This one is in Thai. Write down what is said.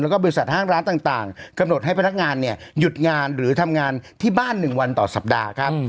แล้วก็บริษัทห้างร้านต่างกำหนดให้พนักงานเนี่ยหยุดงานหรือทำงานที่บ้าน๑วันต่อสัปดาห์ครับ